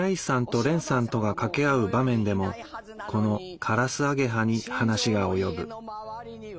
とれんさんとが掛け合う場面でもこのカラスアゲハに話が及ぶ。